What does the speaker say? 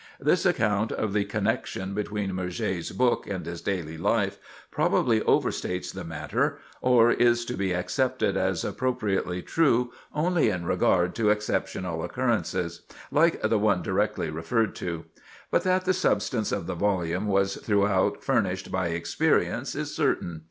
This account of the connection between Murger's book and his daily life, probably overstates the matter, or is to be accepted as approximately true only in regard to exceptional occurrences, like the one directly referred to. But that the substance of the volume was throughout furnished by experience is certain.